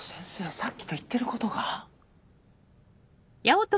さっきと言ってることが。